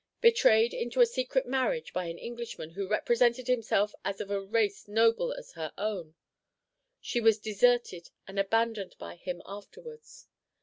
Betrayed into a secret marriage by an Englishman who represented himself as of a race noble as her own, she was deserted and abandoned by him afterwards.